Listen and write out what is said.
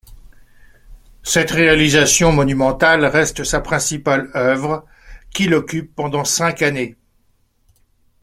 Cette réalisation monumentale reste sa principale œuvre, qui l'occupe pendant cinq années.